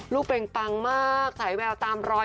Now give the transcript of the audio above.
เป็งปังมากสายแววตามรอย